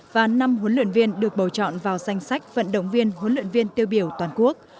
và năm huấn luyện viên được bầu chọn vào danh sách vận động viên huấn luyện viên tiêu biểu toàn quốc